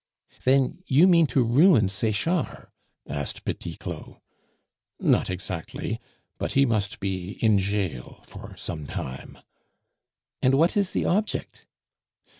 "Then you mean to ruin Sechard?" asked Petit Claud. "Not exactly; but he must be in jail for some time " "And what is the object?"